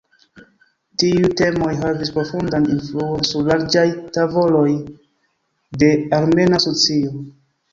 Tiuj temoj havis profundan influon sur larĝaj tavoloj de armena socio.